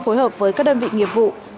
phối hợp với các đơn vị nghiệp vụ